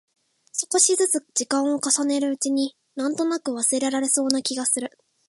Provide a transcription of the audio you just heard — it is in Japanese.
少しづつ時間を重ねるうちに、なんとなく忘れられそうな気がする。